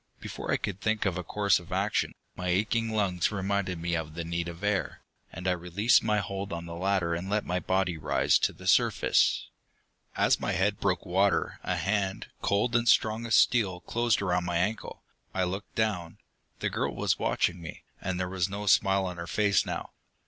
Before I could think of a course of action, my aching lungs reminded me of the need of air, and I released my hold on the ladder and let my body rise to the surface. As my head broke the water, a hand, cold and strong as steel, closed around my ankle. I looked down. The girl was watching me, and there was no smile on her face now.